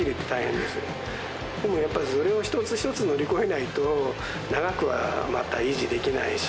でもやっぱり、それを一つ一つ乗り越えないと、長くはまた維持できないし。